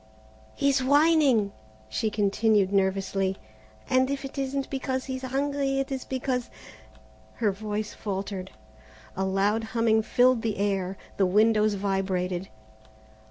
"He's whining," she continued nervously, "and if it isn't because he's hungry it is because " Her voice faltered. A loud humming filled the air, the windows vibrated.